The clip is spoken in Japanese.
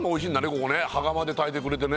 ここね羽釜で炊いてくれてね